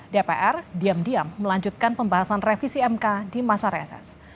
dpr diam diam melanjutkan pembahasan revisi mk di masa reses